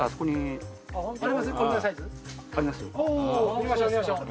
行きましょう。